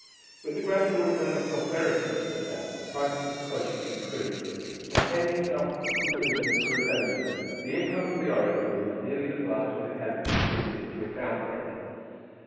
With the gradual return of prosperity to the South the prices of produce improved, and ten years after the conclusion of the rebellion the income of the Orangery was nearly as large as it had been previous to its outbreak.